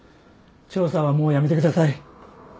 調査はもうやめてください。